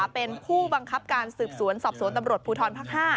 เป็นผู้บังคับการสืบสวนสอบสวนตำรวจภูทรภาค๕